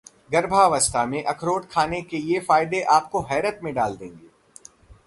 गर्भावस्था में अखरोट खाने के ये फायदे आपको हैरत में डाल देंगे